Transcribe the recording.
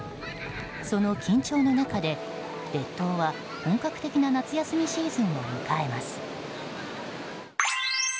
その緊張の中で列島は本格的な夏休みシーズンを迎えます。